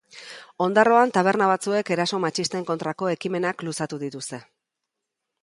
Ondarroan taberna batzuek eraso matxisten kontrako ekimenak luzatu dituzte.